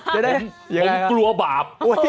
ผมกลัวบาป